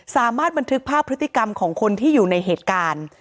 สามารถบันทึกภาพพฤติกรรมของคนที่อยู่ในเหตุการณ์